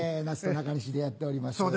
那須と中西でやっております。